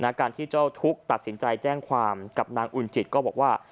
การที่เจ้าทุกข์ตัดสินใจแจ้งความกับนางอุ่นจิตก็บอกว่า